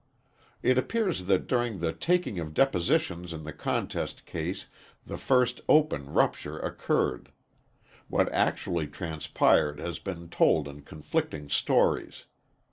It appears that during the taking of depositions in the contest case the first open rupture occurred. What actually transpired has been told in conflicting stories.